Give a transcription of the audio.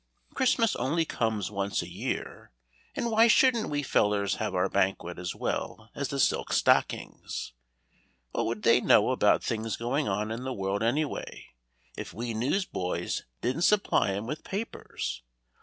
Christmas only comes once a year, and why shouldn't we fellers have our banquet as well as the silk stockings? What would they know about things going on in the world anyway, if we newsboys didn't supply 'em with papers?